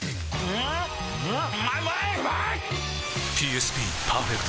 えっ？